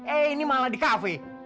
eh ini malah di cafe